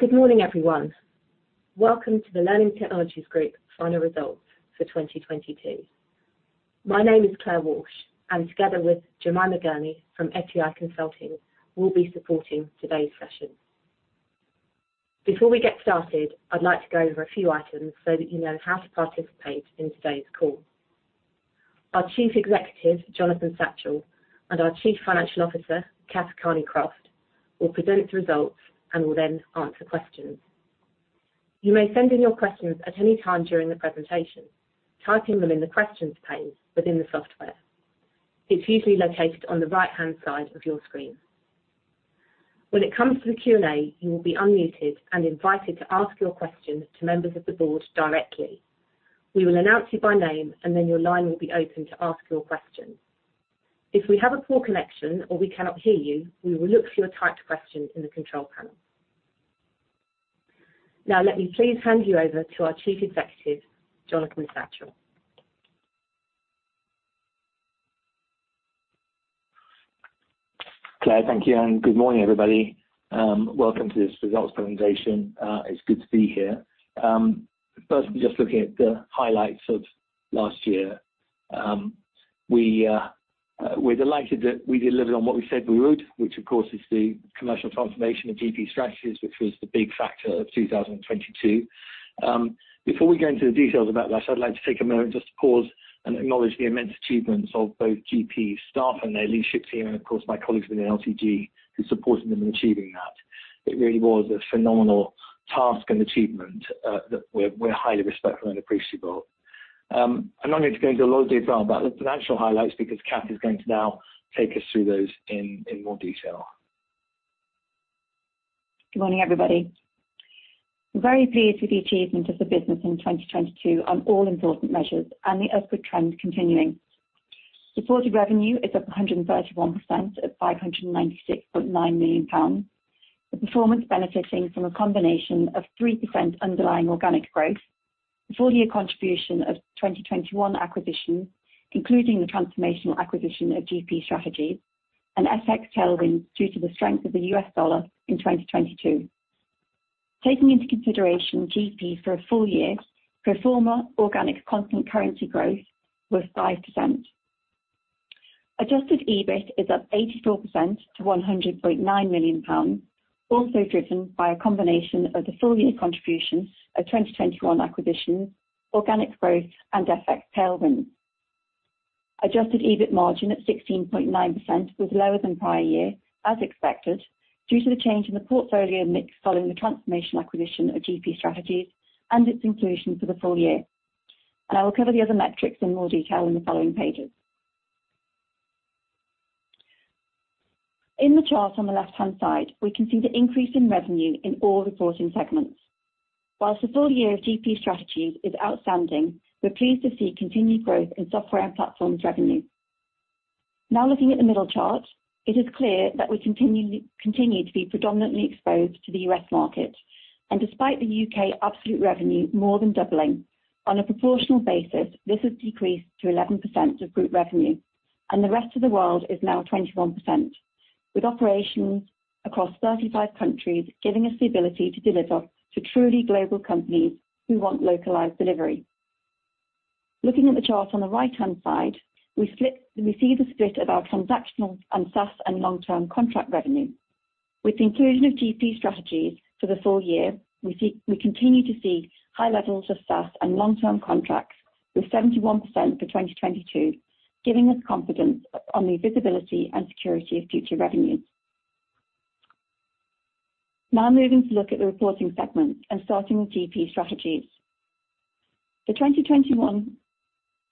Good morning, everyone. Welcome to the Learning Technologies Group final results for 2022. My name is Claire Walsh, and together with Jemima Gurney from FTI Consulting, we'll be supporting today's session. Before we get started, I'd like to go over a few items so that you know how to participate in today's call. Our Chief Executive, Jonathan Satchell, and our Chief Financial Officer, Kath Kearney-Croft, will present the results and will then answer questions. You may send in your questions at any time during the presentation, typing them in the questions pane within the software. It's usually located on the right-hand side of your screen. When it comes to the Q&A, you will be unmuted and invited to ask your questions to members of the board directly. We will announce you by name, and then your line will be open to ask your question. If we have a poor connection or we cannot hear you, we will look for your typed question in the control panel. Now, let me please hand you over to our Chief Executive, Jonathan Satchell. Claire, thank you. Good morning, everybody. Welcome to this results presentation. It's good to be here. Firstly, just looking at the highlights of last year. We're delighted that we delivered on what we said we would, which of course is the commercial transformation of GP Strategies, which was the big factor of 2022. Before we go into the details of that, I'd like to take a moment just to pause and acknowledge the immense achievements of both GP staff and their leadership team, and of course my colleagues within the LTG who supported them in achieving that. It really was a phenomenal task and achievement that we're highly respectful and appreciable. I'm not going to go into a lot of detail about the financial highlights because Kath is going to now take us through those in more detail. Good morning, everybody. We're very pleased with the achievement of the business in 2022 on all important measures and the upward trend continuing. Reported revenue is up 131% at 596.9 million pounds. The performance benefiting from a combination of 3% underlying organic growth, the full-year contribution of 2021 acquisition, concluding the transformational acquisition of GP Strategies, and FX tailwinds due to the strength of the U.S. dollar in 2022. Taking into consideration GP for a full-year, pro forma organic constant currency growth was 5%. Adjusted EBIT is up 84% to 100.9 million pounds, also driven by a combination of the full-year contribution of 2021 acquisitions, organic growth, and FX tailwinds. Adjusted EBIT margin at 16.9% was lower than prior year, as expected, due to the change in the portfolio mix following the transformation acquisition of GP Strategies and its inclusion for the full-year. I will cover the other metrics in more detail in the following pages. In the chart on the left-hand side, we can see the increase in revenue in all reporting segments. While the full-year of GP Strategies is outstanding, we're pleased to see continued growth in Software and Platforms revenue. Now looking at the middle chart, it is clear that we continue to be predominantly exposed to the U.S. market. Despite the U.K. absolute revenue more than doubling, on a proportional basis, this has decreased to 11% of group revenue, and the rest of the world is now 21%. With operations across 35 countries giving us the ability to deliver to truly global companies who want localized delivery. Looking at the chart on the right-hand side, we see the split of our transactional and SaaS and long-term contract revenue. With the inclusion of GP Strategies for the full-year, we continue to see high levels of SaaS and long-term contracts with 71% for 2022, giving us confidence on the visibility and security of future revenues. Moving to look at the reporting segment and starting with GP Strategies. The 2021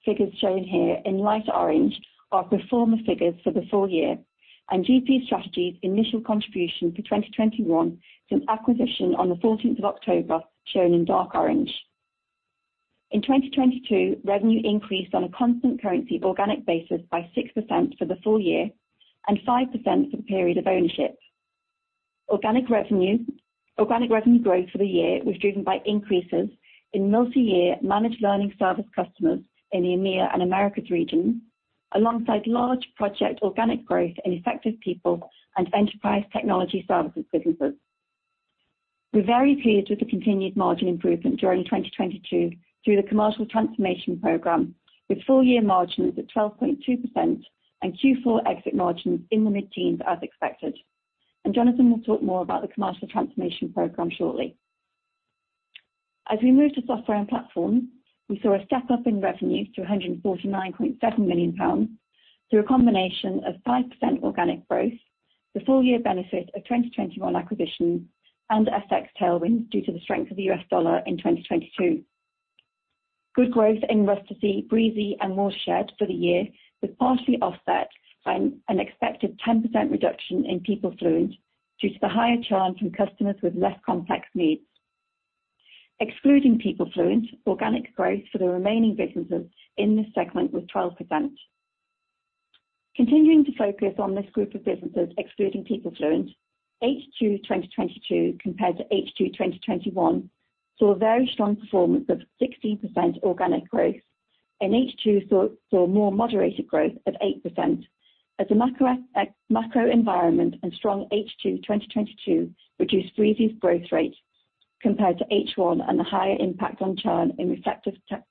figures shown here in light orange are pro forma figures for the full-year, and GP Strategies initial contribution for 2021 since acquisition on the 14th of October shown in dark orange. In 2022, revenue increased on a constant currency organic basis by 6% for the full-year and 5% for the period of ownership. Organic revenue growth for the year was driven by increases in multi-year Managed Learning Services customers in the EMEA and Americas region, alongside large project organic growth in Effective People and Enterprise Technology Services businesses. We're very pleased with the continued margin improvement during 2022 through the commercial transformation program, with full-year margins at 12.2% and Q4 exit margins in the mid-teens as expected. Jonathan will talk more about the commercial transformation program shortly. As we move to Software and Platform, we saw a step up in revenues to 149.7 million pounds through a combination of 5% organic growth, the full-year benefit of 2021 acquisition and FX tailwinds due to the strength of the U.S. dollar in 2022. Good growth in Rustici, Breezy, and Watershed for the year was partially offset by an expected 10% reduction in PeopleFluent due to the higher churn from customers with less complex needs. Excluding PeopleFluent, organic growth for the remaining businesses in this segment was 12%. Continuing to focus on this group of businesses excluding PeopleFluent, H2 2022 compared to H2 2021 saw a very strong performance of 16% organic growth. In H2, saw more moderated growth of 8% as the macro environment and strong H2 2022 reduced Breezy's growth rate compared to H1 and the higher impact on churn in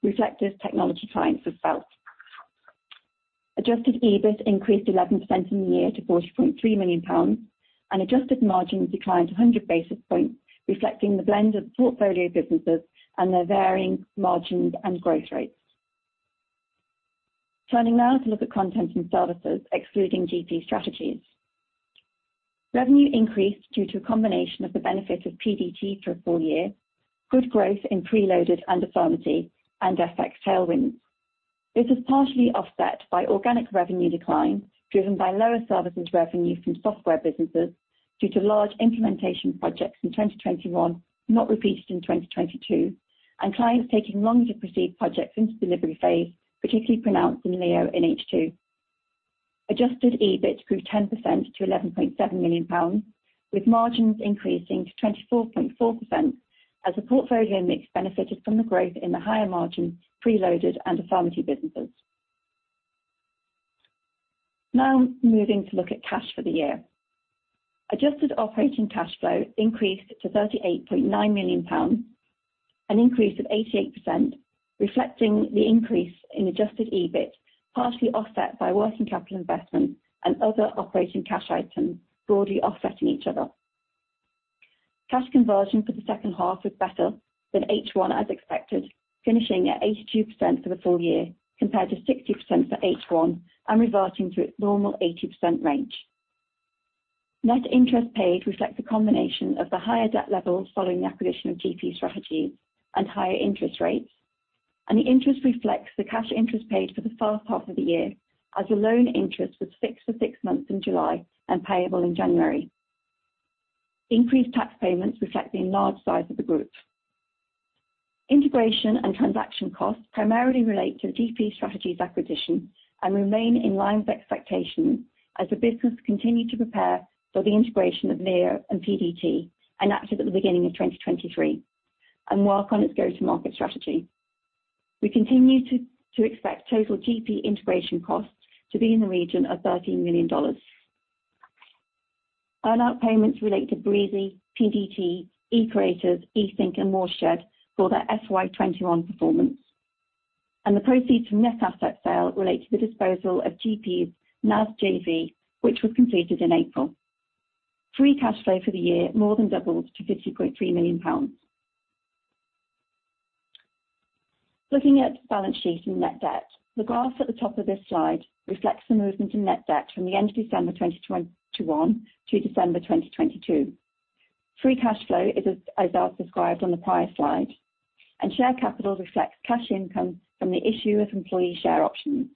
Reflektive technology clients was felt. Adjusted EBIT increased 11% in the year to 40.3 million pounds and adjusted margins declined 100 basis points, reflecting the blend of the portfolio businesses and their varying margins and growth rates. Turning now to look at content and services excluding GP Strategies. Revenue increased due to a combination of the benefit of PDT for a full-year, good growth in PRELOADED and Affirmity and FX tailwinds. This was partially offset by organic revenue decline driven by lower services revenue from software businesses due to large implementation projects in 2021, not repeated in 2022, and clients taking longer to proceed projects into delivery phase, particularly pronounced in LEO in H2. Adjusted EBIT grew 10% to 11.7 million pounds, with margins increasing to 24.4% as the portfolio mix benefited from the growth in the higher margin PRELOADED and Affirmity businesses. Moving to look at cash for the year. Adjusted operating cash flow increased to 38.9 million pounds, an increase of 88%, reflecting the increase in adjusted EBIT, partially offset by working capital investment and other operating cash items broadly offsetting each other. Cash conversion for the second half was better than H1 as expected, finishing at 82% for the full-year compared to 60% for H1 and reverting to its normal 80% range. Net interest paid reflects a combination of the higher debt levels following the acquisition of GP Strategies and higher interest rates. The interest reflects the cash interest paid for the first half of the year as the loan interest was fixed for six months in July and payable in January. Increased tax payments reflecting large size of the group. Integration and transaction costs primarily relate to the GP Strategies acquisition and remain in line with expectations as the business continued to prepare for the integration of LEO and PDT and active at the beginning of 2023 and work on its go-to-market strategy. We continue to expect total GP integration costs to be in the region of $13 million. Earnout payments relate to Breezy, PDT, eCreators, eThink, and Watershed for their FY 2021 performance. The proceeds from net asset sale relate to the disposal of GP's NAS JV, which was completed in April. Free cash flow for the year more than doubled to 50.3 million pounds. Looking at balance sheet and net debt. The graph at the top of this slide reflects the movement in net debt from the end of December 2021 to December 2022. Free cash flow is as I described on the prior slide, and share capital reflects cash income from the issue of employee share options.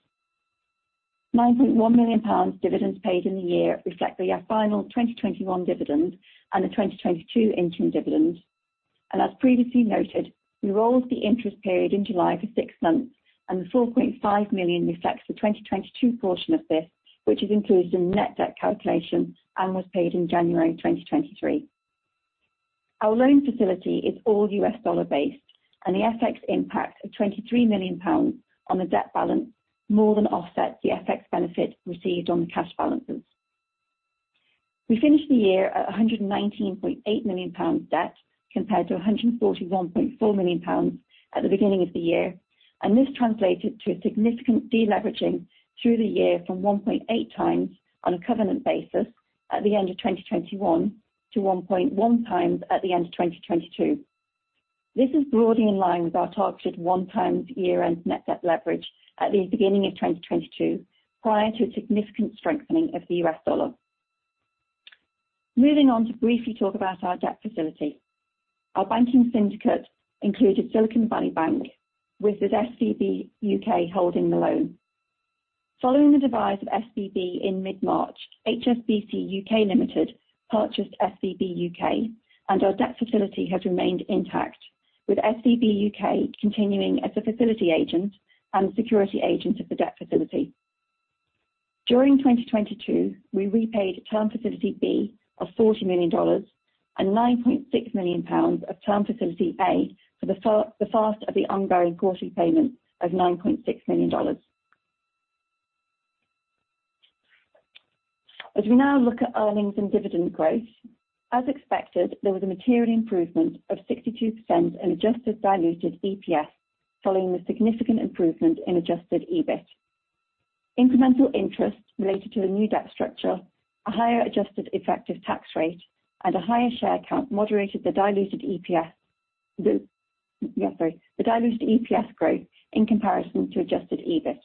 9.1 million pounds dividends paid in the year reflect the final 2021 dividend and the 2022 interim dividend. As previously noted, we rolled the interest period in July for six months, and the 4.5 million reflects the 2022 portion of this, which is included in net debt calculation and was paid in January 2023. Our loan facility is all U.S. dollar-based, and the FX impact of 23 million pounds on the debt balance more than offsets the FX benefit received on the cash balances. We finished the year at 119.8 million pounds debt compared to 141.4 million pounds at the beginning of the year, and this translated to a significant deleveraging through the year from 1.8 times on a covenant basis at the end of 2021 to 1.1 times at the end of 2022. This is broadly in line with our targeted one times year-end net debt leverage at the beginning of 2022, prior to a significant strengthening of the U.S. dollar. Moving on to briefly talk about our debt facility. Our banking syndicate included Silicon Valley Bank, with the SVB UK holding the loan. Following the demise of SVB in mid-March, HSBC UK Bank plc purchased SVB UK. Our debt facility has remained intact, with SVB UK continuing as a facility agent and security agent of the debt facility. During 2022, we repaid Term Facility B of $40 million and 9.6 million pounds of Term Facility A for the first of the ongoing quarterly payments of $9.6 million. As we now look at earnings and dividend growth, as expected, there was a material improvement of 62% in adjusted diluted EPS following the significant improvement in adjusted EBIT. Incremental interest related to the new debt structure, a higher adjusted effective tax rate, and a higher share count moderated the diluted EPS. Yeah, sorry. The diluted EPS growth in comparison to adjusted EBIT.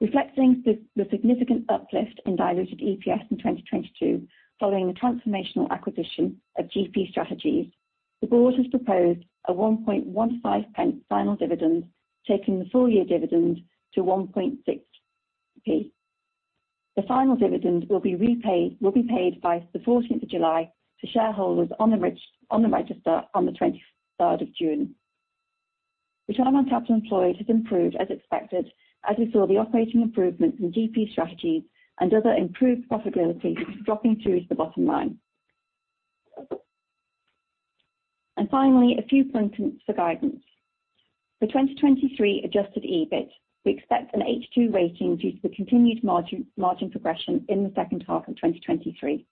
Reflecting the significant uplift in diluted EPS in 2022 following the transformational acquisition of GP Strategies, the board has proposed a 1.15 final dividend, taking the full-year dividend to 1.6. The final dividend will be paid by the 14th of July to shareholders on the register on the 23rd of June. Return on capital employed has improved as expected as we saw the operating improvements in GP Strategies and other improved profitability dropping through to the bottom line. Finally, a few points for guidance. For 2023 adjusted EBIT, we expect an H2 rating due to the continued margin progression in the second half of 2023.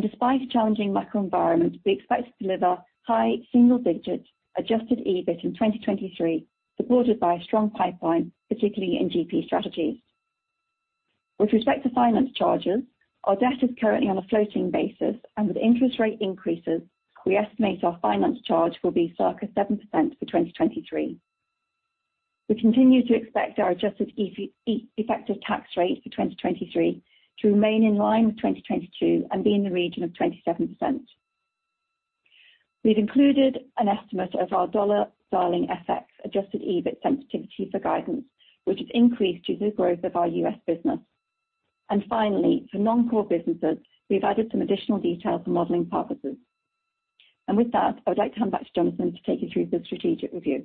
Despite a challenging macro environment, we expect to deliver high single digits adjusted EBIT in 2023, supported by a strong pipeline, particularly in GP Strategies. With respect to finance charges, our debt is currently on a floating basis, and with interest rate increases, we estimate our finance charge will be circa 7% for 2023. We continue to expect our adjusted effective tax rate for 2023 to remain in line with 2022 and be in the region of 27%. We've included an estimate of our dollar sterling FX adjusted EBIT sensitivity for guidance, which has increased due to the growth of our U.S. business. Finally, for non-core businesses, we've added some additional details for modeling purposes. With that, I would like to hand back to Jonathan to take you through the strategic review.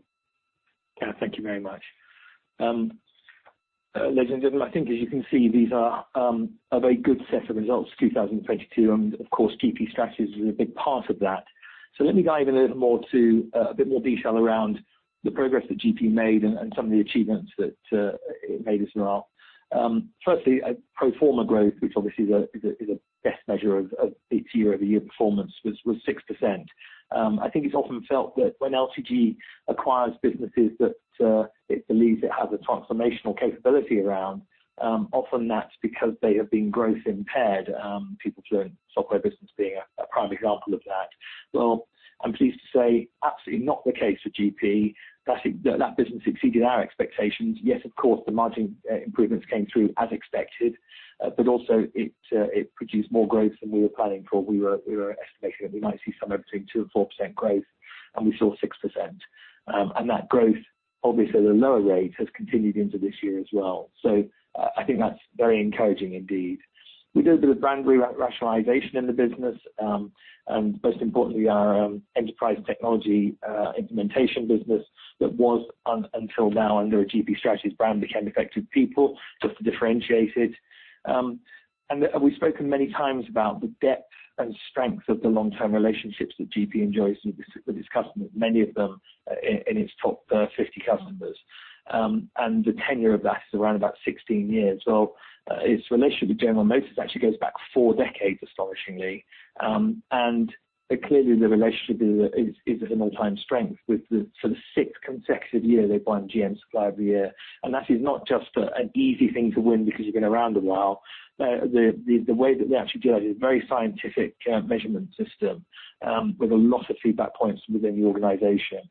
Thank you very much. Ladies and gentlemen, I think as you can see, these are a very good set of results, 2022, and of course, GP Strategies is a big part of that. Let me dive a little more to a bit more detail around the progress that GP made and some of the achievements that it made as well. Firstly, a pro forma growth, which obviously is a best measure of its year-over-year performance, was 6%. I think it's often felt that when LTG acquires businesses that it believes it has a transformational capability around, often that's because they have been growth impaired. People doing software business being a prime example of that. Well, I'm pleased to say absolutely not the case for GP. That business exceeded our expectations. Yes, of course, the margin improvements came through as expected, it produced more growth than we were planning for. We were estimating that we might see somewhere between 2% and 4% growth, and we saw 6%. That growth, obviously at a lower rate, has continued into this year as well. I think that's very encouraging indeed. We did a bit of brand rationalization in the business, most importantly, our enterprise technology implementation business that was until now under a GP Strategies brand became Effective People, just to differentiate it. We've spoken many times about the depth and strength of the long-term relationships that GP enjoys with its customers, many of them in its top 50 customers. The tenure of that is around about 16 years. Well, its relationship with General Motors actually goes back four decades, astonishingly. Clearly the relationship is at an all-time strength. For the sixth consecutive year, they've won GM Supplier of the Year. That is not just an easy thing to win because you've been around a while. The way that they actually do that is a very scientific measurement system, with a lot of feedback points within the organization.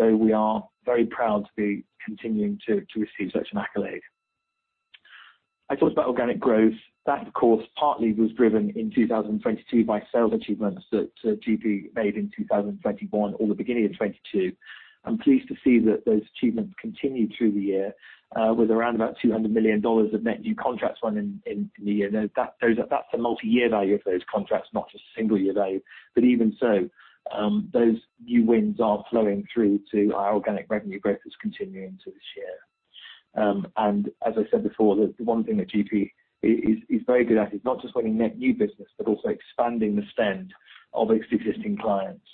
We are very proud to be continuing to receive such an accolade. I talked about organic growth. Of course, partly was driven in 2022 by sales achievements that GP made in 2021 or the beginning of 2022. I'm pleased to see that those achievements continued through the year, with around about $200 million of net new contracts won in the year. That's the multiyear value of those contracts, not just single year value. Even so, those new wins are flowing through to our organic revenue growth that's continuing to this year. As I said before, the one thing that GP is very good at is not just winning net new business, but also expanding the spend of its existing clients.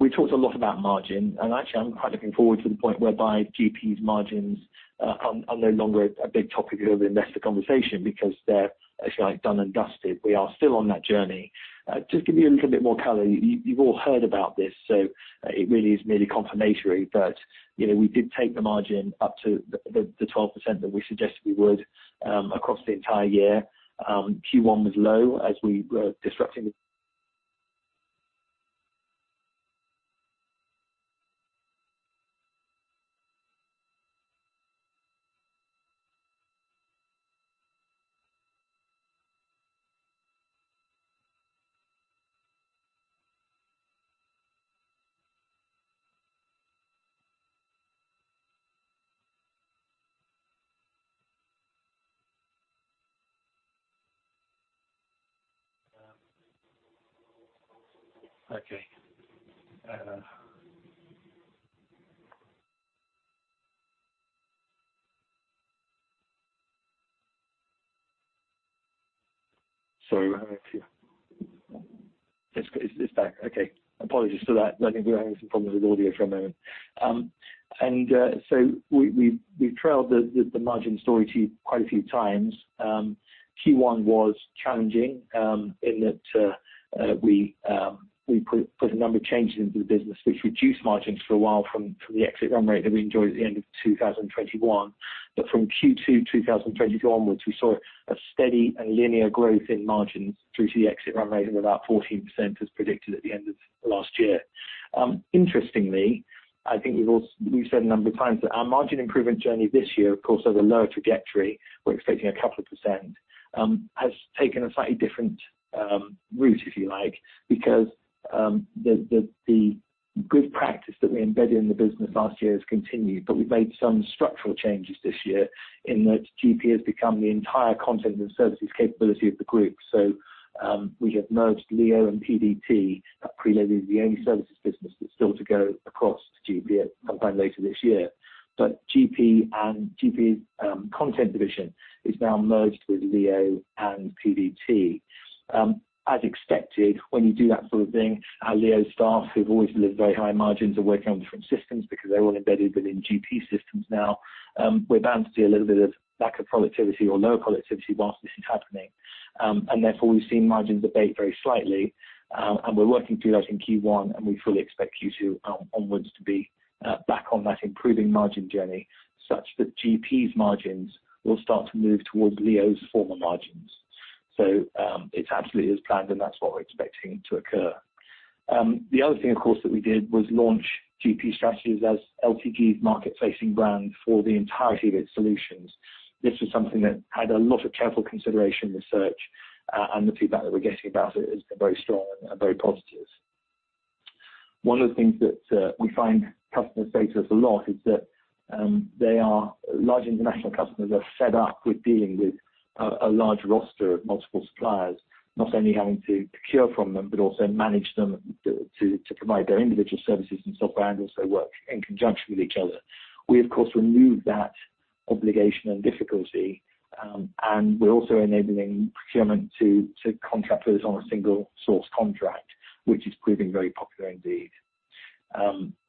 We talked a lot about margin, and actually, I'm quite looking forward to the point whereby GP's margins, are no longer a big topic of investor conversation because they're actually like done and dusted. We are still on that journey. Just to give you a little bit more color, you've all heard about this, so it really is merely confirmatory. You know, we did take the margin up to the 12% that we suggested we would across the entire year. Q1 was low as we were disrupting the. Sorry we're having a few. It's back. Apologies for that. I think we were having some problems with audio for a moment. We've trailed the margin story to you quite a few times. Q1 was challenging in that we put a number of changes into the business which reduced margins for a while from the exit run rate that we enjoyed at the end of 2021. From Q2 2022 onwards, we saw a steady and linear growth in margins through to the exit run rate of about 14% as predicted at the end of last year. Interestingly, I think we've said a number of times that our margin improvement journey this year, of course, has a lower trajectory. We're expecting a couple of percent has taken a slightly different route, if you like, because the good practice that we embedded in the business last year has continued, but we've made some structural changes this year in that GP has become the entire content and services capability of the group. We have merged LEO and PDT. That PRELOADED the only services business that's still to go across to GP at some time later this year. GP and GP's content division is now merged with LEO and PDT. As expected, when you do that sort of thing, our LEO staff, who've always delivered very high margins, are working on different systems because they're all embedded within GP systems now. We're bound to see a little bit of lack of productivity or low productivity while this is happening. Therefore we've seen margins abate very slightly, and we're working through that in Q1, and we fully expect Q2 on, onwards to be back on that improving margin journey such that GP's margins will start to move towards LEO's former margins. It's absolutely as planned, and that's what we're expecting to occur. The other thing, of course, that we did was launch GP Strategies as LTG's market-facing brand for the entirety of its solutions. This was something that had a lot of careful consideration, research, and the feedback that we're getting about it has been very strong and very positive. One of the things that we find customers say to us a lot is that they are large international customers that are fed up with dealing with a large roster of multiple suppliers, not only having to procure from them, but also manage them to provide their individual services and software, and also work in conjunction with each other. We of course remove that obligation and difficulty, and we're also enabling procurement to contract with us on a single source contract, which is proving very popular indeed.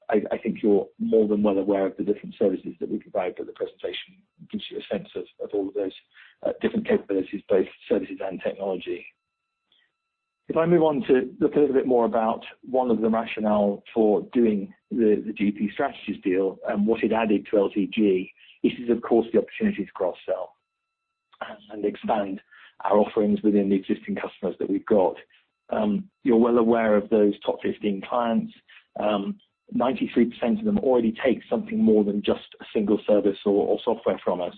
I think you're more than well aware of the different services that we provide, the presentation gives you a sense of all of those different capabilities, both services and technology. If I move on to look a little bit more about one of the rationale for doing the GP Strategies deal and what it added to LTG, this is of course the opportunity to cross-sell and expand our offerings within the existing customers that we've got. You're well aware of those top 15 clients. 93% of them already take something more than just a single service or software from us.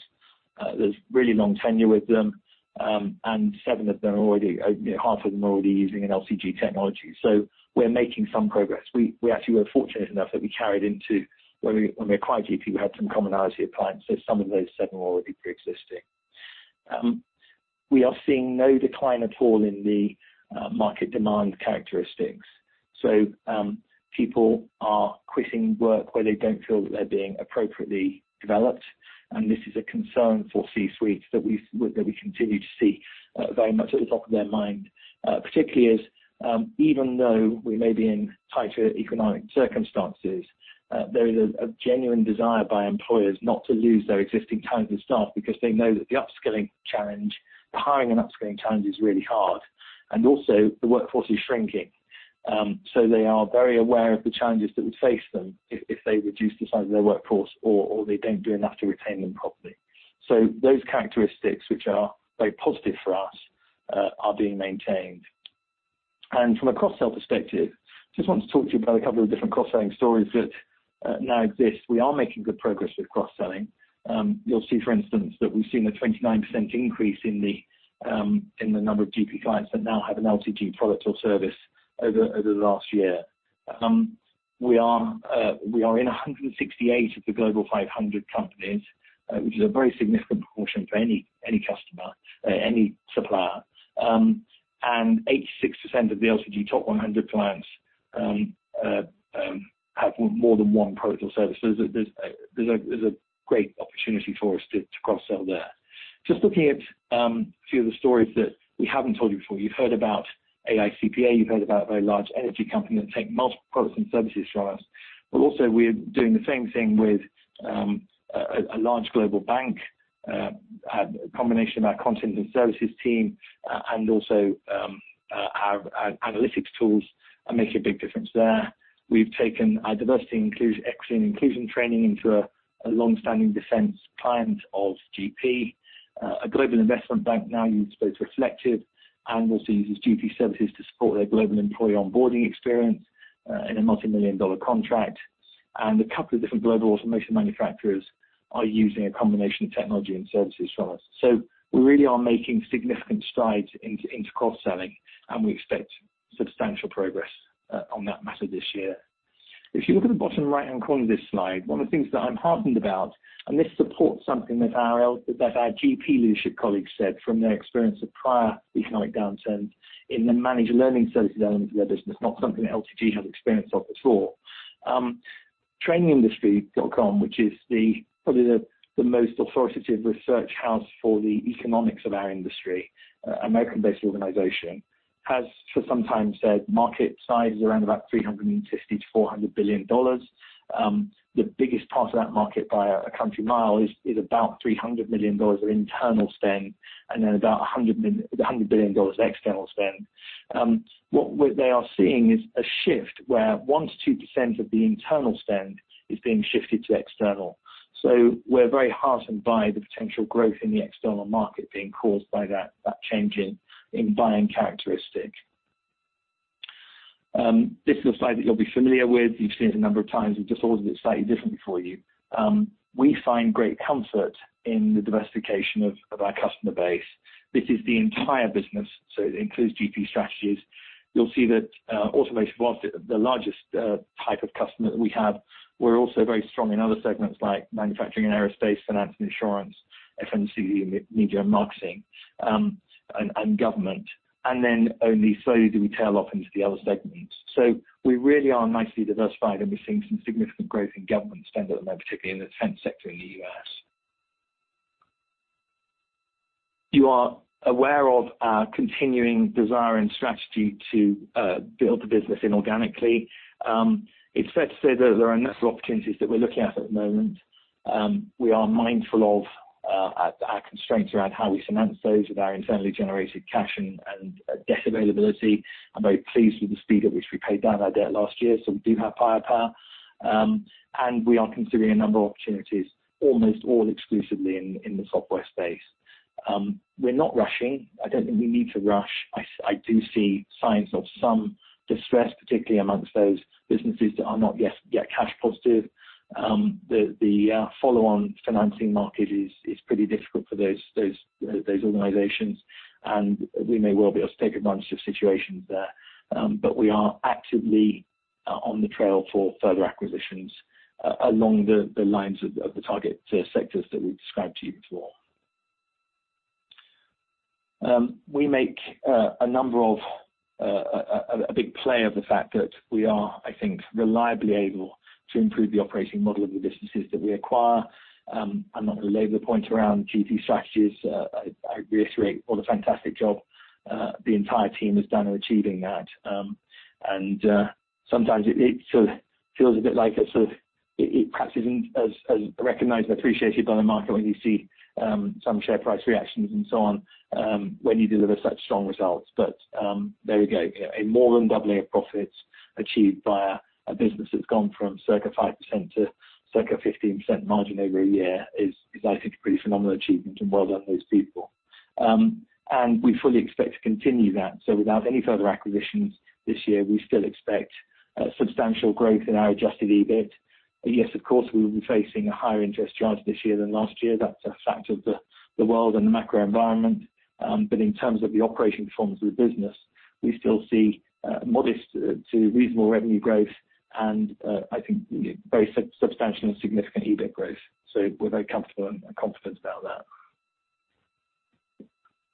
There's really long tenure with them, seven of them are already, you know, half of them are already using an LTG technology. We're making some progress. We actually were fortunate enough that we carried into when we acquired GP, we had some commonality of clients, so some of those seven were already preexisting. We are seeing no decline at all in the market demand characteristics. People are quitting work where they don't feel that they're being appropriately developed, and this is a concern for C-suites that we continue to see very much at the top of their mind. Particularly as, even though we may be in tighter economic circumstances, there is a genuine desire by employers not to lose their existing talented staff because they know that the upskilling challenge, the hiring and upskilling challenge is really hard. Also the workforce is shrinking. They are very aware of the challenges that would face them if they reduce the size of their workforce or they don't do enough to retain them properly. Those characteristics, which are very positive for us, are being maintained. From a cross-sell perspective, just want to talk to you about a couple of different cross-selling stories that now exist. We are making good progress with cross-selling. You'll see, for instance, that we've seen a 29% increase in the number of GP clients that now have an LTG product or service over the last year. We are in 168 of the global 500 companies, which is a very significant proportion for any customer, any supplier. And 86% of the LTG top 100 clients have more than one product or service. So there's a great opportunity for us to cross-sell there. Just looking at a few of the stories that we haven't told you before. You've heard about AICPA, you've heard about a very large energy company that take multiple products and services from us. But also we're doing the same thing with a large global bank. A combination of our content and services team, and also our analytics tools are making a big difference there. We've taken our diversity and equity and inclusion training into a longstanding defense client of GP. A global investment bank now uses both Reflektive and also uses GP services to support their global employee onboarding experience in a multimillion-dollar contract. A couple of different global automation manufacturers are using a combination of technology and services from us. We really are making significant strides into cross-selling, and we expect substantial progress on that matter this year. If you look at the bottom right-hand corner of this slide, one of the things that I'm heartened about, and this supports something that our GP leadership colleagues said from their experience of prior economic downturns in the Managed Learning Services element of their business, not something that LTG has experienced of before. TrainingIndustry.com, which is the, probably the most authoritative research house for the economics of our industry, American-based organization, has for some time said market size is around about $360 billion-$400 billion. The biggest part of that market by a country mile is about $300 million of internal spend, and then about $100 billion external spend. What they are seeing is a shift where 1%-2% of the internal spend is being shifted to external. We're very heartened by the potential growth in the external market being caused by that change in buying characteristic. This is a slide that you'll be familiar with. You've seen it a number of times. We've just ordered it slightly differently for you. We find great comfort in the diversification of our customer base. This is the entire business, so it includes GP Strategies. You'll see that automation was the largest type of customer that we have. We're also very strong in other segments like manufacturing and aerospace, finance and insurance, FMCG, media and marketing, and government. Then only slowly do we tail off into the other segments. We really are nicely diversified, and we're seeing some significant growth in government spend at the moment, particularly in the defense sector in the U.S. You are aware of our continuing desire and strategy to build the business inorganically. It's fair to say that there are a number of opportunities that we're looking at at the moment. We are mindful of our constraints around how we finance those with our internally generated cash and debt availability. I'm very pleased with the speed at which we paid down our debt last year, so we do have firepower. We are considering a number of opportunities, almost all exclusively in the software space. We're not rushing. I don't think we need to rush. I do see signs of some distress, particularly amongst those businesses that are not yet cash positive. The follow-on financing market is pretty difficult for those organizations, and we may well be able to take advantage of situations there. We are actively on the trail for further acquisitions along the lines of the target sectors that we've described to you before. We make a number of a big play of the fact that we are, I think, reliably able to improve the operating model of the businesses that we acquire. I'm not gonna labor the point around GP Strategies. I reiterate what a fantastic job the entire team has done in achieving that. Sometimes it sort of feels a bit like it sort of. It perhaps isn't as recognized and appreciated by the market when you see some share price reactions and so on, when you deliver such strong results. There we go. A more than doubling of profits achieved by a business that's gone from circa 5% to circa 15% margin over a year is I think a pretty phenomenal achievement and well done those people. We fully expect to continue that. Without any further acquisitions this year, we still expect substantial growth in our adjusted EBIT. Yes, of course, we will be facing a higher interest charge this year than last year. That's a fact of the world and the macro environment. In terms of the operating performance of the business, we still see modest to reasonable revenue growth and I think very substantial and significant EBIT growth. We're very comfortable and confident about that.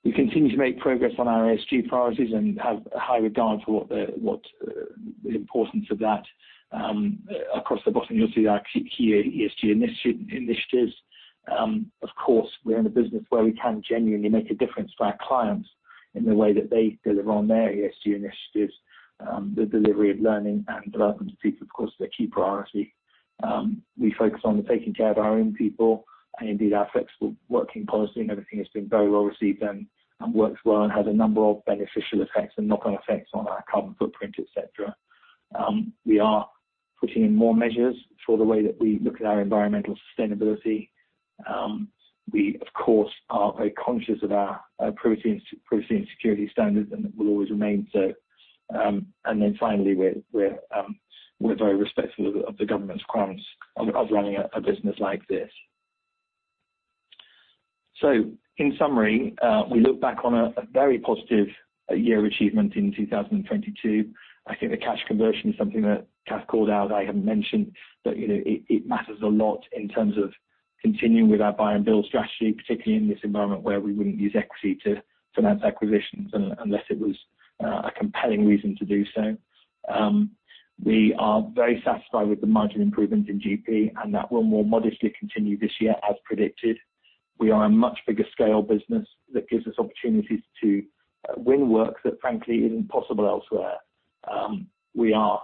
We continue to make progress on our ESG priorities and have a high regard for what the importance of that. Across the bottom, you'll see our key ESG initiatives. Of course, we're in a business where we can genuinely make a difference for our clients in the way that they deliver on their ESG initiatives. The delivery of learning and development to people, of course, is a key priority. We focus on taking care of our own people, and indeed, our flexible working policy and everything has been very well received and works well and has a number of beneficial effects and knock-on effects on our carbon footprint, et cetera. We are putting in more measures for the way that we look at our environmental sustainability. We, of course, are very conscious of our protecting, cyber security standards, and that will always remain so. Then finally, we're very respectful of the government's requirements of running a business like this. In summary, we look back on a very positive year of achievement in 2022. I think the cash conversion is something that Kath called out. I haven't mentioned, you know, it matters a lot in terms of continuing with our buy and build strategy, particularly in this environment where we wouldn't use equity to finance acquisitions unless it was a compelling reason to do so. We are very satisfied with the margin improvement in GP, that will more modestly continue this year as predicted. We are a much bigger scale business. That gives us opportunities to win work that frankly isn't possible elsewhere. We are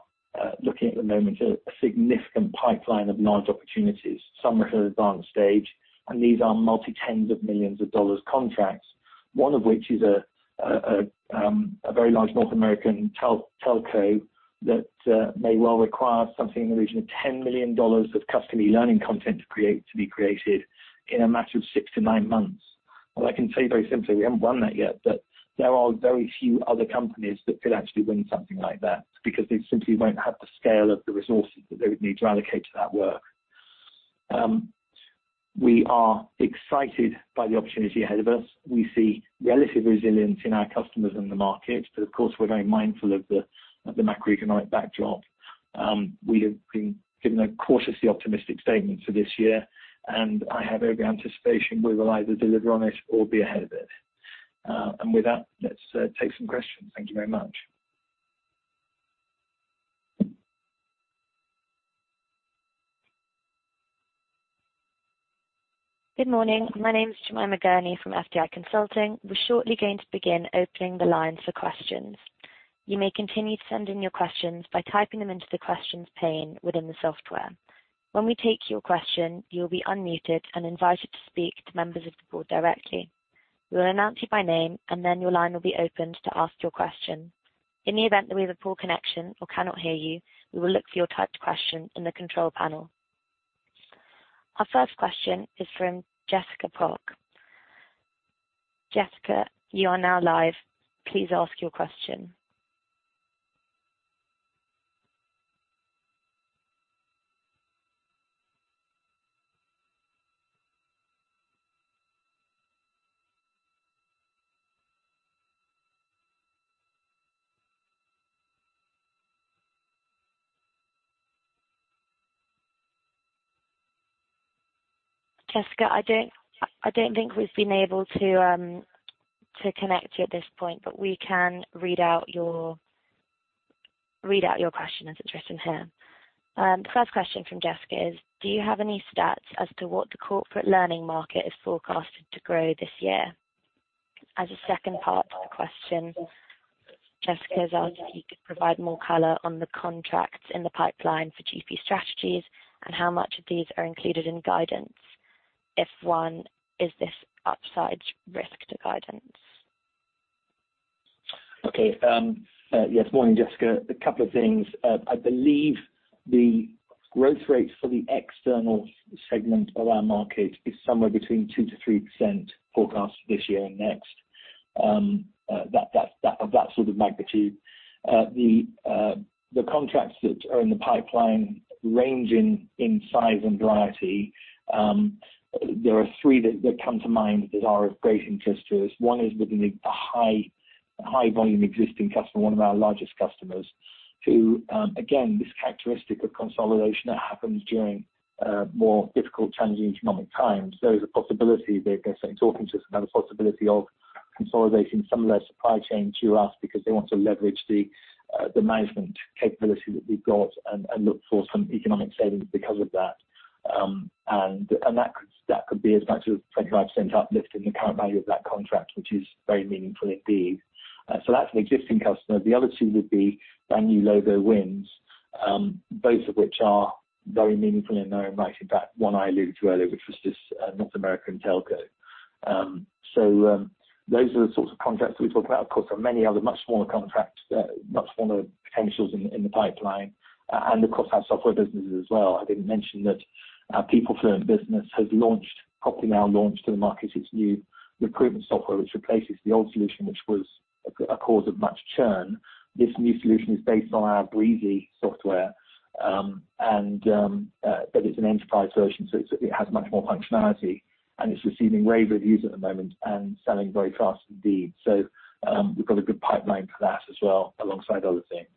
looking at the moment at a significant pipeline of large opportunities, some at an advanced stage, and these are multi-tens of millions of dollars contracts, one of which is a very large North American telco that may well require something in the region of $10 million of custom e-learning content to be created in a matter of six to nine months. All I can say very simply, we haven't won that yet, but there are very few other companies that could actually win something like that because they simply won't have the scale of the resources that they would need to allocate to that work. We are excited by the opportunity ahead of us. We see relative resilience in our customers in the market, but of course, we're very mindful of the macroeconomic backdrop. We have been given a cautiously optimistic statement for this year, and I have every anticipation we will either deliver on it or be ahead of it. With that, let's take some questions. Thank you very much. Good morning. My name is Jemima Gurney from FTI Consulting. We're shortly going to begin opening the lines for questions. You may continue to send in your questions by typing them into the questions pane within the software. When we take your question, you'll be unmuted and invited to speak to members of the board directly. We will announce you by name, and then your line will be opened to ask your question. In the event that we have a poor connection or cannot hear you, we will look for your typed question in the control panel. Our first question is from Jessica Pok. Jessica, you are now live. Please ask your question. Jessica, I don't think we've been able to connect you at this point, but we can read out your, read out your question as it's written here. The 1st question from Jessica is, do you have any stats as to what the corporate learning market is forecasted to grow this year? A second part to the question, Jessica has asked if you could provide more color on the contracts in the pipeline for GP Strategies and how much of these are included in guidance. If one, is this upside risk to guidance? Okay. Yes. Morning, Jessica. A couple of things. I believe the growth rate for the external segment of our market is somewhere between 2%-3% forecast this year and next. Of that sort of magnitude. The contracts that are in the pipeline range in size and variety. There are three that come to mind that are of great interest to us. One is with a high-volume existing customer, one of our largest customers, who again, this characteristic of consolidation that happens during more difficult challenging economic times. There is a possibility they're certainly talking to us about a possibility of consolidating some of their supply chain to us because they want to leverage the management capability that we've got and look for some economic savings because of that. That could be as much as a 25% uplift in the current value of that contract, which is very meaningful indeed. That's an existing customer. The other two would be our new logo wins, both of which are very meaningful in their own right. In fact, one I alluded to earlier, which was this North American telco. Those are the sorts of contracts we talk about. Of course, there are many other much smaller contracts, much smaller potentials in the pipeline. Of course, our software businesses as well. I didn't mention that our PeopleFluent business has launched, properly now launched to the market, its new recruitment software, which replaces the old solution, which was a cause of much churn. This new solution is based on our Breezy software, but it's an enterprise version, it has much more functionality, and it's receiving rave reviews at the moment and selling very fast indeed. We've got a good pipeline for that as well, alongside other things.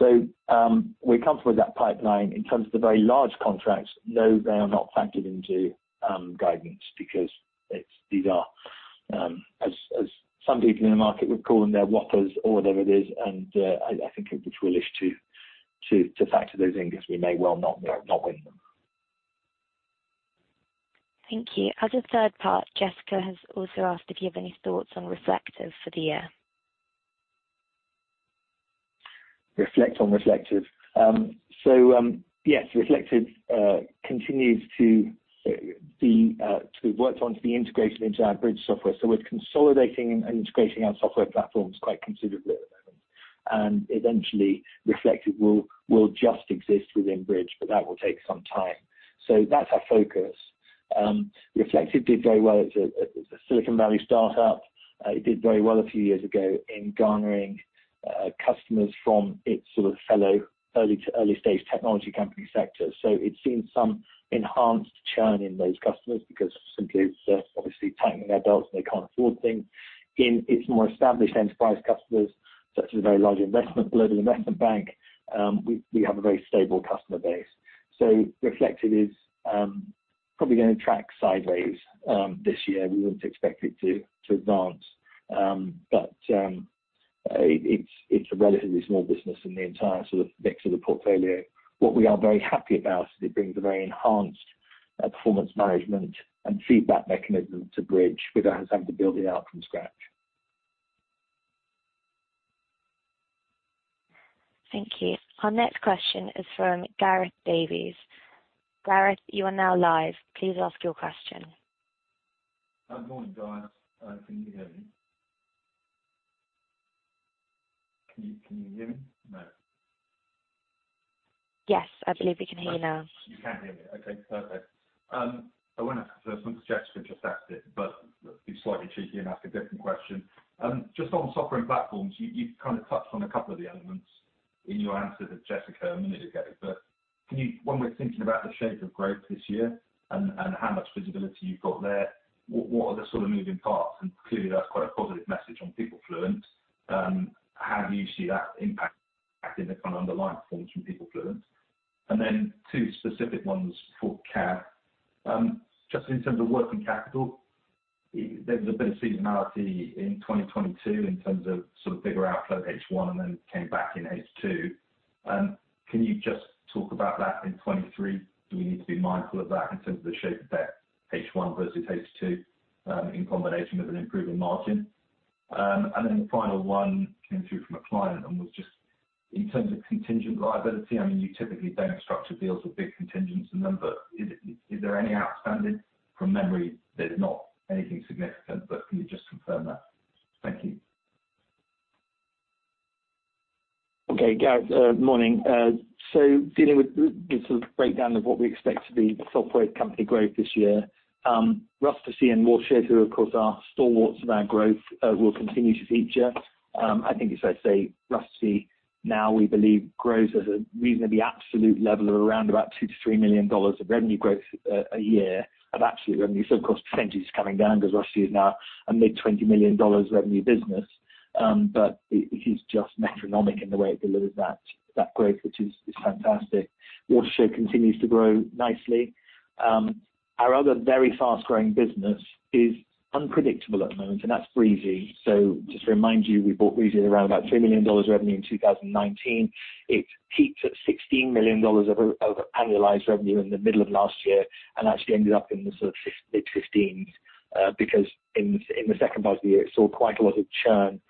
We're comfortable with that pipeline. In terms of the very large contracts, no, they are not factored into guidance because these are, as some people in the market would call them, they're whoppers or whatever it is. I think it'd be foolish to factor those in because we may well not win them. Thank you. As a third part, Jessica has also asked if you have any thoughts on Reflektive for the year? Reflect on Reflektive. Yes, Reflektive continues to be worked on to be integrated into our Bridge software. We're consolidating and integrating our software platforms quite considerably at the moment. Eventually, Reflektive will just exist within Bridge, but that will take some time. That's our focus. Reflektive did very well. It's a Silicon Valley startup. It did very well a few years ago in garnering customers from its sort of fellow early to early-stage technology company sector. It's seen some enhanced churn in those customers because simply it's obviously tightening their belts, and they can't afford things. In its more established enterprise customers, such as a very large investment, global investment bank, we have a very stable customer base. Reflektive is probably gonna track sideways this year. We wouldn't expect it to advance. It's a relatively small business in the entire sort of mix of the portfolio. What we are very happy about is it brings a very enhanced performance management and feedback mechanism to Bridge without us having to build it out from scratch. Thank you. Our next question is from Gareth Davies. Gareth, you are now live. Please ask your question. Good morning, guys. Can you hear me? Can you hear me? No. Yes. I believe we can hear you now. You can hear me. Okay. Perfect. I want to ask something Jessica just asked it, but be slightly cheeky and ask a different question. Can you, when we're thinking about the shape of growth this year and how much visibility you've got there, what are the sort of moving parts? Clearly, that's quite a positive message on PeopleFluent. How do you see that impacting the kind of underlying performance from PeopleFluent? Two specific ones for Kath. Just in terms of working capital, there was a bit of seasonality in 2022 in terms of sort of bigger outflow H1 and then came back in H2. Can you just talk about that in 23? Do we need to be mindful of that in terms of the shape of that H1 versus H2, in combination with an improving margin? The final one came through from a client. In terms of contingent liability, I mean, you typically don't structure deals with big contingents in them, but is there any outstanding from memory that is not anything significant, but can you just confirm that? Thank you. Okay. Gareth, morning. Dealing with the sort of breakdown of what we expect to be the Software company growth this year. Rustici and Watershed, who of course are stalwarts of our growth, will continue to feature. I think it's fair to say Rustici now we believe grows as a reasonably absolute level of around about $2 million-$3 million of revenue growth a year of absolute revenue. Of course, percentage is coming down because Rustici is now a mid $20 million revenue business. It is just metronomic in the way it delivers that growth, which is fantastic. Watershed continues to grow nicely. Our other very fast-growing business is unpredictable at the moment, and that's Breezy. Just to remind you, we bought Breezy at around about $3 million revenue in 2019. It peaked at $16 million of annualized revenue in the middle of last year. Actually ended up in the sort of mid-15s, because in the second part of the year, it saw quite a lot of churn.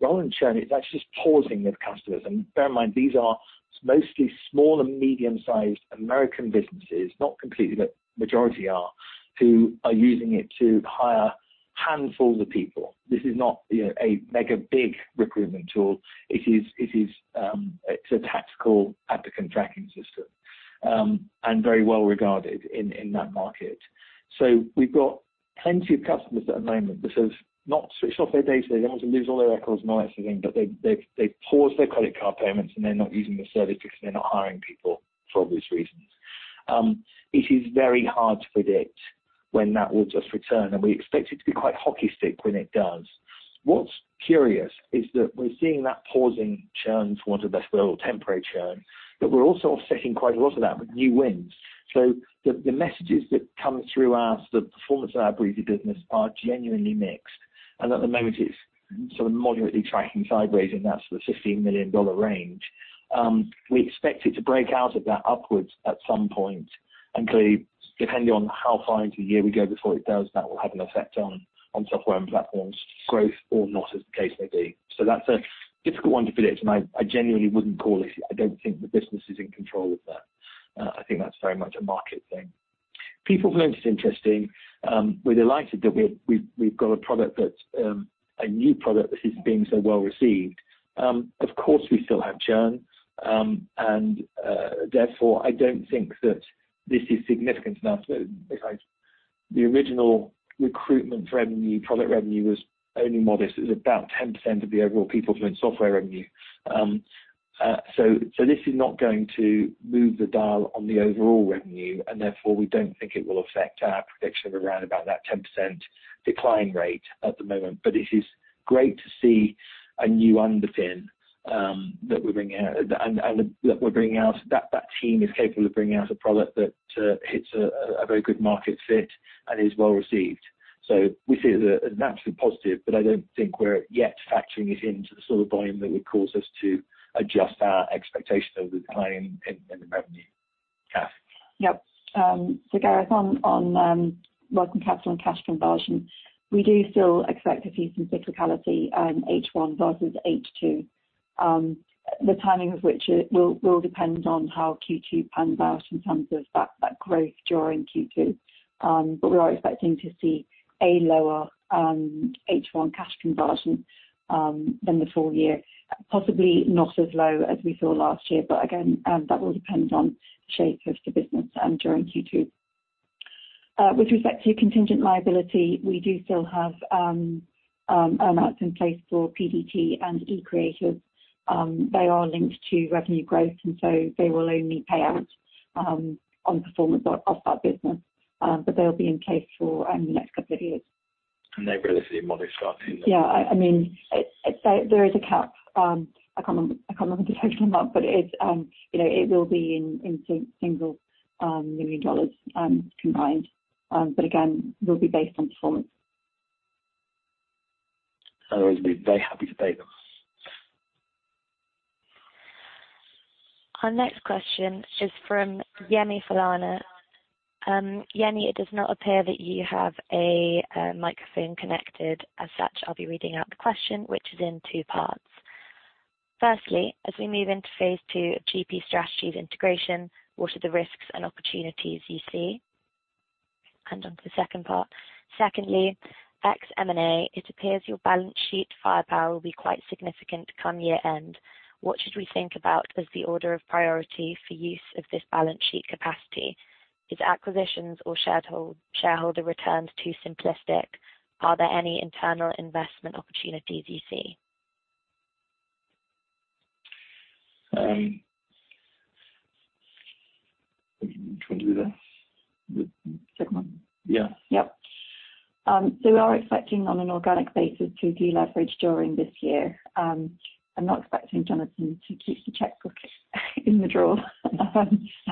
Rather than churn, it's actually just pausing with customers. Bear in mind, these are mostly small and medium-sized American businesses, not completely, but majority are, who are using it to hire handfuls of people. This is not, you know, a mega, big recruitment tool. It is, it is, it's a tactical applicant tracking system, and very well regarded in that market. We've got plenty of customers at the moment that have not switched off their data. They don't want to lose all their records and all that sort of thing, but they've paused their credit card payments, and they're not using the service because they're not hiring people for obvious reasons. It is very hard to predict when that will just return, and we expect it to be quite hockey stick when it does. What's curious is that we're seeing that pausing churn, for want of a better word, or temporary churn, but we're also offsetting quite a lot of that with new wins. The messages that come through as the performance of our Breezy business are genuinely mixed. At the moment, it's sort of moderately tracking sideways in that sort of $15 million range. We expect it to break out of that upwards at some point, and clearly, depending on how far into the year we go before it does, that will have an effect on Software and Platforms growth or not, as the case may be. That's a difficult one to predict, and I genuinely wouldn't call it. I don't think the business is in control of that. I think that's very much a market thing. PeopleFluent's interesting. We're delighted that we've got a product that's a new product that is being so well received. Of course, we still have churn. Therefore, I don't think that this is significant enough that besides the original recruitment revenue, product revenue was only modest. It was about 10% of the overall PeopleFluent Software revenue. This is not going to move the dial on the overall revenue, and therefore, we don't think it will affect our prediction of around about that 10% decline rate at the moment. It is great to see a new underpin that we're bringing out. That team is capable of bringing out a product that hits a very good market fit and is well received. We see it as a naturally positive, but I don't think we're yet factoring it into the sort of volume that would cause us to adjust our expectation of the decline in the revenue cap. Yep. Gareth, on working capital and cash conversion, we do still expect to see some cyclicality, H1 versus H2. The timing of which it will depend on how Q2 pans out in terms of that growth during Q2. We are expecting to see a lower H1 cash conversion than the full-year. Possibly not as low as we saw last year, but again, that will depend on the shape of the business during Q2. With respect to contingent liability, we do still have amounts in place for PDT and eCreators. They are linked to revenue growth, they will only pay out on performance of that business. They'll be in place for the next couple of years. They're relatively modest, aren't they? Yeah. I mean, it's there is a cap. I can't remember the total amount, but it is, you know, it will be in single million dollars combined. Again, will be based on performance. Otherwise, we'd be very happy to pay them. Our next question is from Yemi Falana. Yemi, it does not appear that you have a microphone connected. As such, I'll be reading out the question, which is in two parts. Firstly, as we move into phase II of GP Strategies integration, what are the risks and opportunities you see? Onto the second part. Secondly, ex M&A, it appears your balance sheet firepower will be quite significant come year-end. What should we think about as the order of priority for use of this balance sheet capacity? Is acquisitions or shareholder returns too simplistic? Are there any internal investment opportunities you see? Do you want to do this? Second one? Yeah. We are expecting on an organic basis to deleverage during this year. I'm not expecting Jonathan to keep the checkbook in the drawer.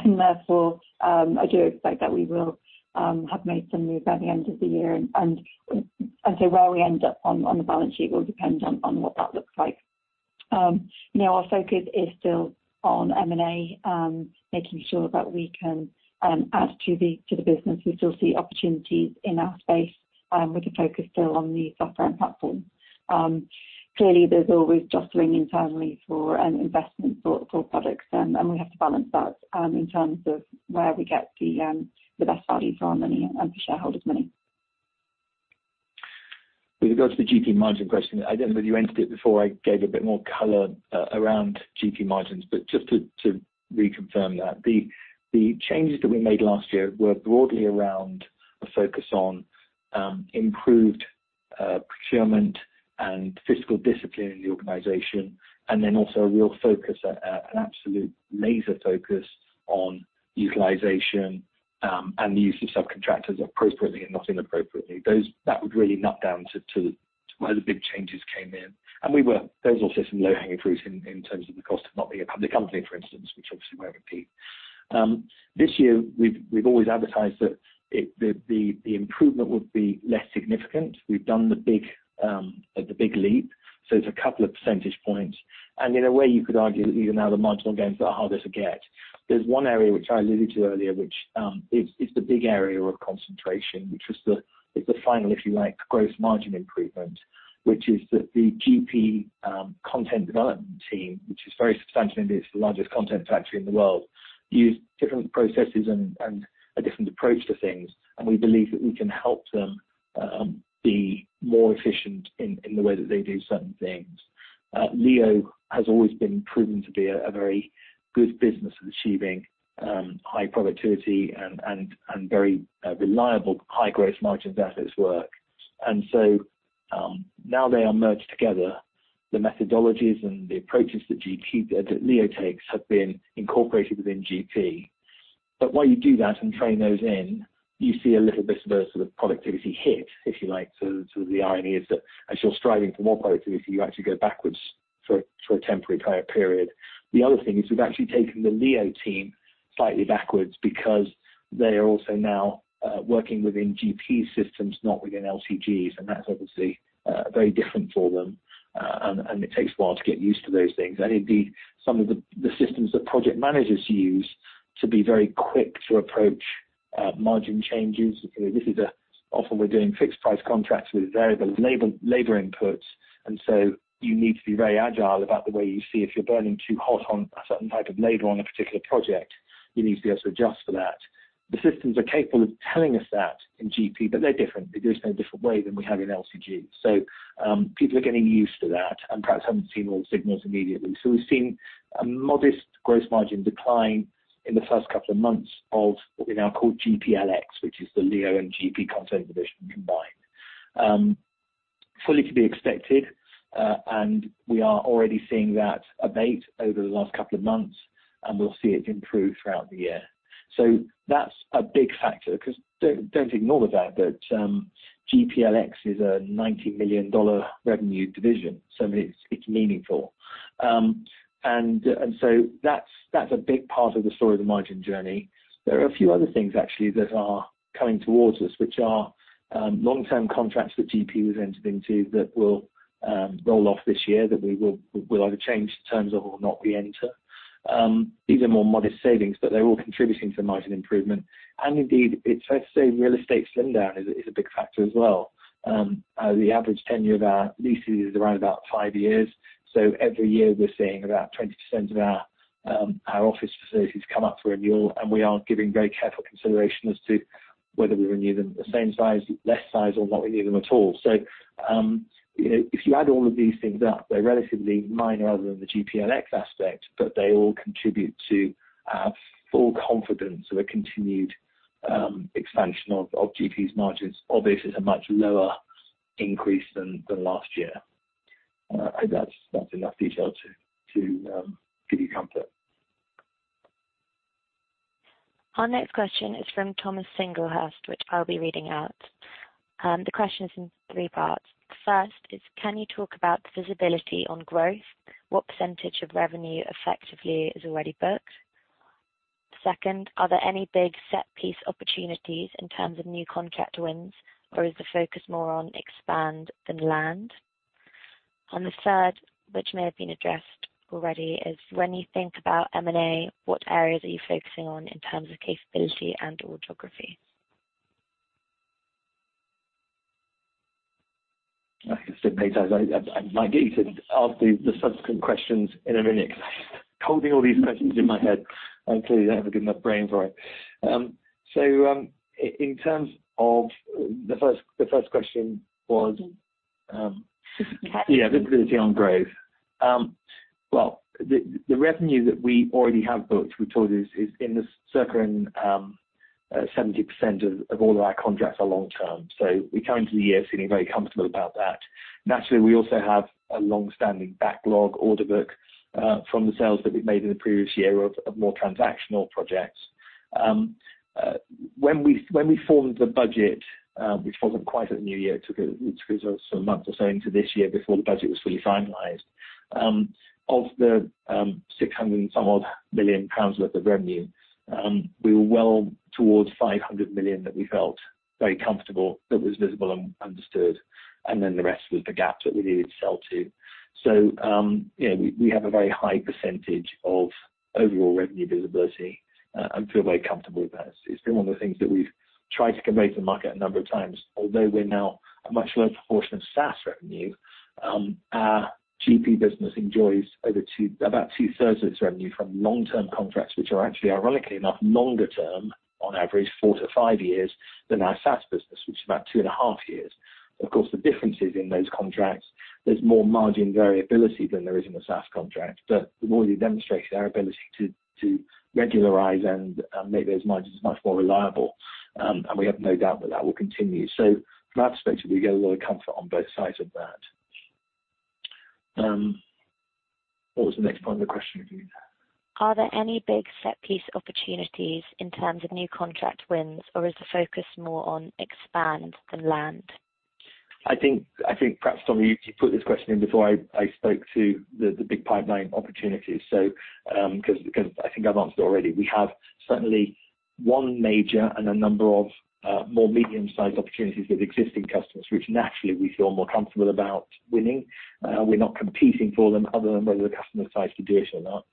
Therefore, I do expect that we will have made some moves by the end of the year and where we end up on the balance sheet will depend on what that looks like. You know, our focus is still on M&A, making sure that we can add to the business. We still see opportunities in our space. With the focus still on the Software and Platform. Clearly there's always jostling internally for an investment for products and we have to balance that, in terms of where we get the best value for our money and for shareholders' money. With regards to the GP margin question, I don't know if you answered it before I gave a bit more color around GP margins. Just to reconfirm that. The changes that we made last year were broadly around a focus on improved procurement and fiscal discipline in the organization, then also a real focus, an absolute laser focus on utilization, and the use of subcontractors appropriately and not inappropriately. That would really nut down to where the big changes came in. There was also some low-hanging fruit in terms of the cost of not being a public company, for instance, which obviously won't repeat. This year we've always advertised that the improvement would be less significant. We've done the big, the big leap, so it's a couple of percentage points. And in a way, you could argue that even now the marginal gains are harder to get. There's one area which I alluded to earlier, which is the big area of concentration, which was the, is the final, if you like, gross margin improvement, which is that the GP content development team, which is very substantial, I mean, it's the largest content factory in the world, use different processes and a different approach to things, and we believe that we can help them be more efficient in the way that they do certain things. LEO has always been proven to be a very good business at achieving high productivity and very reliable high gross margins at its work. Now they are merged together. The methodologies and the approaches that LEO takes have been incorporated within GP. While you do that and train those in, you see a little bit of a sort of productivity hit, if you like. The irony is that as you're striving for more productivity, you actually go backwards for a temporary time period. The other thing is we've actually taken the LEO team slightly backwards because they are also now working within GP systems, not within LTG's, and that's obviously very different for them. It takes a while to get used to those things. Some of the systems that project managers use to be very quick to approach margin changes. You know, this is a. Often we're doing fixed price contracts with variable labor inputs. You need to be very agile about the way you see if you're burning too hot on a certain type of labor on a particular project, you need to be able to adjust for that. The systems are capable of telling us that in GP. They're different. They do it in a different way than we have in LTG. People are getting used to that and perhaps haven't seen all the signals immediately. We've seen a modest gross margin decline in the first couple of months of what we now call GPLX, which is the LEO and GP content division combined. Fully to be expected. We are already seeing that abate over the last couple of months, and we'll see it improve throughout the year. That's a big factor 'cause don't ignore the fact that GPLX is a $90 million revenue division, so it's meaningful. That's a big part of the story of the margin journey. There are a few other things actually that are coming towards us, which are long-term contracts that GP was entered into that will roll off this year that we'll either change the terms of or not re-enter. These are more modest savings, but they're all contributing to margin improvement. Indeed, it's fair to say real estate slim down is a big factor as well. The average tenure of our leases is around about five years. Every year we're seeing about 20% of our office facilities come up for renewal, and we are giving very careful consideration as to whether we renew them the same size, less size or not renew them at all. You know, if you add all of these things up, they're relatively minor other than the GPLX aspect, but they all contribute to our full confidence of a continued expansion of GP's margins, obviously at a much lower increase than last year. I think that's enough detail to give you comfort. Our next question is from Thomas Singlehurst, which I'll be reading out. The question is in three parts. First is, can you talk about visibility on growth? What % of revenue effectively is already booked? Second, are there any big set piece opportunities in terms of new contract wins, or is the focus more on expand than land? The third, which may have been addressed already, is when you think about M&A, what areas are you focusing on in terms of capability and or geography? I can skip pages. I'd like you to ask the subsequent questions in a minute because holding all these questions in my head, I clearly don't have a good enough brain for it. In terms of the first question was. Visibility. Visibility on growth. Well, the revenue that we already have booked we told you is in the circling 70% of all of our contracts are long term. We come into the year feeling very comfortable about that. Naturally, we also have a long-standing backlog order book from the sales that we've made in the previous year of more transactional projects. When we formed the budget, which wasn't quite at the new year, it took us a month or so into this year before the budget was fully finalized. Of the 600 some odd million worth of revenue, we were well towards 500 million that we felt very comfortable, that was visible and understood, and then the rest was the gap that we needed to sell to. We have a very high percentage of overall revenue visibility and feel very comfortable with that. It's been one of the things that we've tried to convey to the market a number of times. Although we're now a much lower proportion of SaaS revenue, our GP business enjoys about 2/3 of its revenue from long-term contracts, which are actually, ironically enough, longer term on average, four to five years, than our SaaS business, which is about 2.5 years. Of course, the difference is in those contracts, there's more margin variability than there is in a SaaS contract. We've already demonstrated our ability to regularize and make those margins much more reliable. We have no doubt that that will continue. From that perspective, we get a lot of comfort on both sides of that. What was the next part of the question again? Are there any big set-piece opportunities in terms of new contract wins, or is the focus more on expand than land? I think perhaps, Tommy, you put this question in before I spoke to the big pipeline opportunities. 'Cause I think I've answered already. We have certainly one major and a number of more medium-sized opportunities with existing customers, which naturally we feel more comfortable about winning. We're not competing for them other than whether the customer decides to do it or not.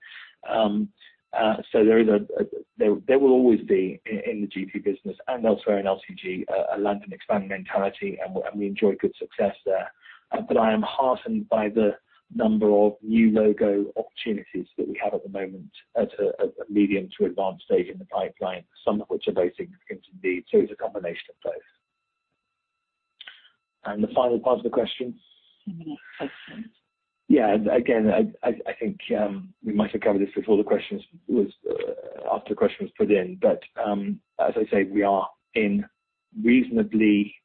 There will always be in the GP business and elsewhere in LTG a land and expand mentality, and we enjoy good success there. I am heartened by the number of new logo opportunities that we have at the moment at medium to advanced stage in the pipeline, some of which are very significant indeed. It's a combination of both. The final part of the question? M&A. Yeah. Again, I think we might have covered this before the question was after the question was put in. As I say, we are in reasonably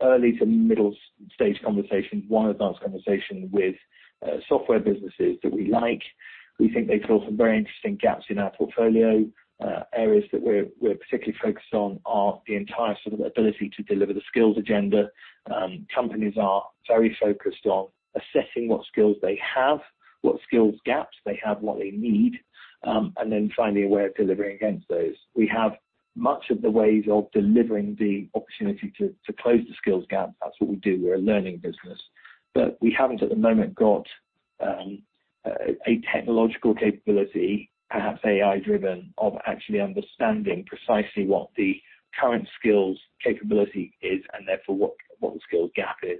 early to middle stage conversations, one advanced conversation with software businesses that we like. We think they fill some very interesting gaps in our portfolio. Areas that we're particularly focused on are the entire sort of ability to deliver the skills agenda. Companies are very focused on assessing what skills they have, what skills gaps they have, what they need, and then finding a way of delivering against those. We have much of the ways of delivering the opportunity to close the skills gap. That's what we do. We're a learning business. We haven't at the moment got a technological capability, perhaps AI-driven, of actually understanding precisely what the current skills capability is and therefore what the skills gap is.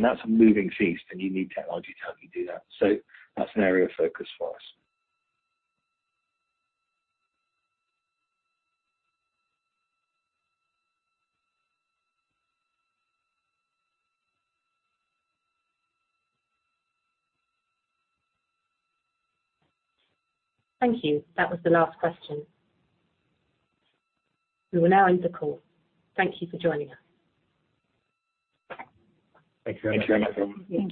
That's a moving feast, and you need technology to help you do that. That's an area of focus for us. Thank you. That was the last question. We will now end the call. Thank you for joining us. Thanks very much, everyone.